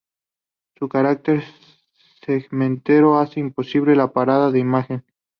Su carácter segmentado hace imposible la parada de imagen.